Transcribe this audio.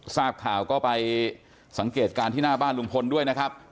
ทราบข่าวก็ไปสังเกตการณ์ที่หน้าบ้านคุณหลุงพลด้วย